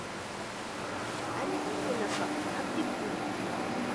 Allqukunapaq apikuy.